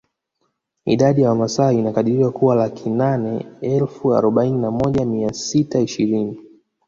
Idadi ya Wamasai ilikadiriwa kuwa laki nane elfu arobaini na moja mia sita ishirini